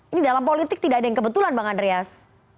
ini dalam politik tidak ada yang kebetulan bang andreas